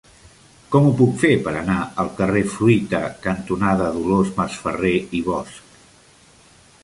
Com ho puc fer per anar al carrer Fruita cantonada Dolors Masferrer i Bosch?